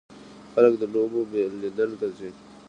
خلک د لوبو لیدلو ته ځي.